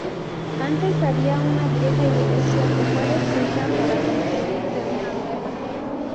Antes había una vieja iglesia que fue destruida para la construcción de una nueva.